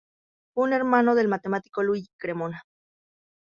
Fue hermano del matemático Luigi Cremona.